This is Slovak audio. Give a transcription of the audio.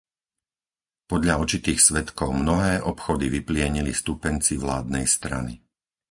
Podľa očitých svedkov mnohé obchody vyplienili stúpenci vládnej strany.